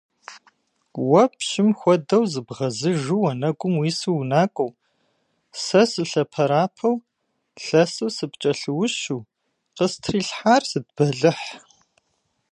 Уэ пщым хуэдэу зыбгъэзыжу уанэгум уису унакӀуэу, сэ сылъэпэрапэу лъэсу сыпкӀэлъыущу, къыстрилъхьар сыт бэлыхь?